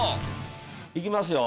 いきますよ。